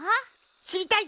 しりたい！